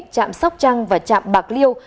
trạm sóc trăng và trạm bạc liêu